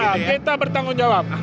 oh iya kita bertanggung jawab